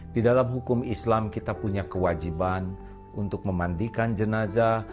di dalam hukum islam kita punya kewajiban untuk memandikan jenazah